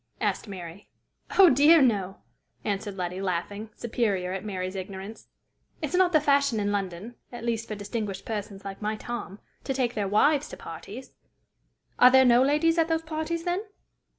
asked Mary. "Oh, dear, no!" answered Letty, laughing, superior at Mary's ignorance. "It's not the fashion in London, at least for distinguished persons like my Tom, to take their wives to parties." "Are there no ladies at those parties, then?"